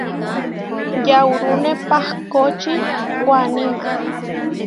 Yaurúne pahkóči Waníma.